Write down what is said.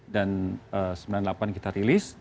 dan sembilan puluh delapan kita rilis